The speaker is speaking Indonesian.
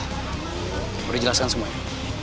lo boleh jelaskan semuanya